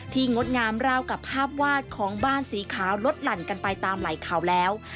งดงามราวกับภาพวาดของบ้านสีขาวลดหลั่นกันไปตามไหล่เขาแล้ว